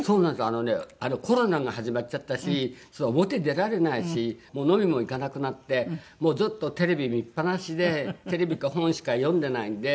あのねコロナが始まっちゃったし表出られないしもう飲みにも行かなくなってもうずっとテレビ見っぱなしでテレビか本しか読んでないんで。